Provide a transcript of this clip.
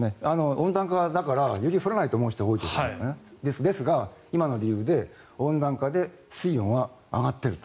温暖化で、より降らないと思う人が多いですがですが、今の理由で温暖化で水温は上がっていると。